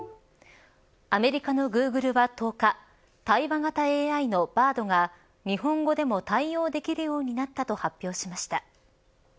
アメリカのグーグルは１０日対話型ＡＩのＢａｒｄが日本語でも対応できるようになったと発表しました。